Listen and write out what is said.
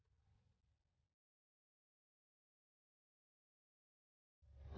pak pak stop pak